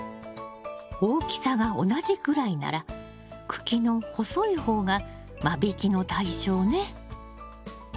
大きさが同じぐらいなら茎の細い方が間引きの対象ね。